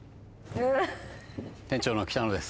えーっ店長の北野です